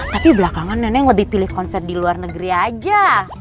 tapi belakangan neneng lebih pilih konser di luar negeri aja